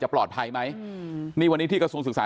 ปลอดภัยไหมอืมนี่วันนี้ที่กระทรวงศึกษา